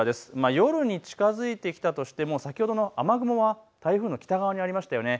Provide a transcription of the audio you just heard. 夜に近づいてきたとしても先ほどの雨雲は台風の北側にありましたよね。